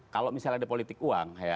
kalau misalnya ada politik uang